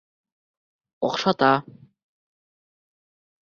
Оҡшата.